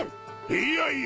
いやいや